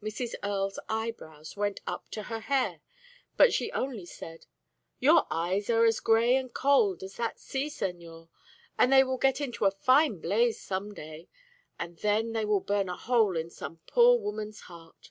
Mrs. Earle's eyebrows went up to her hair, but she only said: "Your eyes are as grey and cold as that sea, señor; but they will get into a fine blaze some day, and then they will burn a hole in some poor woman's heart.